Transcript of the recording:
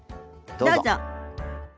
どうぞ。